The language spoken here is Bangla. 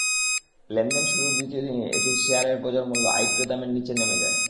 লেনদেন শুরুর দ্বিতীয় দিনেই এটির শেয়ারের বাজারমূল্য আইপিও দামের নিচে নেমে যায়।